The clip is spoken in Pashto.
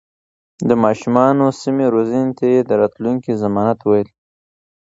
د ماشومانو سمې روزنې ته يې د راتلونکي ضمانت ويل.